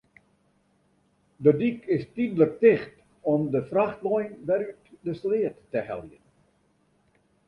De dyk is tydlik ticht om de frachtwein wer út de sleat te heljen.